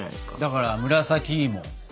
だから紫芋。